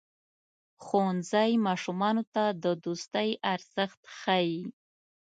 ښوونځی ماشومانو ته د دوستۍ ارزښت ښيي.